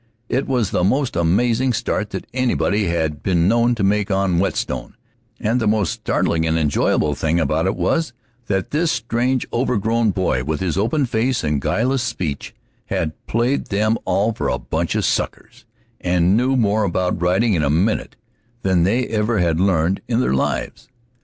It was the most amazing start that anybody ever had been known to make on Whetstone, and the most startling and enjoyable thing about it was that this strange, overgrown boy, with his open face and guileless speech, had played them all for a bunch of suckers, and knew more about riding in a minute than they ever had learned in their lives.